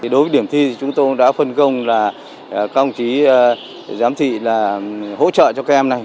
đối với điểm thi thì chúng tôi đã phân công là công trí giám thị là hỗ trợ cho các em này